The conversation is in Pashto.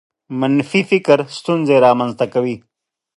منفي فکر ستونزې رامنځته کوي.